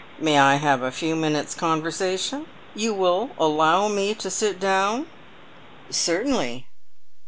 "May I have a few minutes' conversation? You will allow me to sit down?" "Certainly."